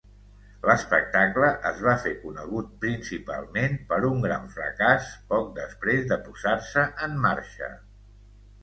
L'espectacle es va fer conegut principalment per un gran fracàs poc després de posar-se en marxa.